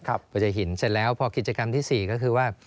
หัวใจหินเสร็จแล้วพอกิจกรรมที่๔ก็คือว่า